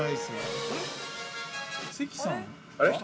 関さんは？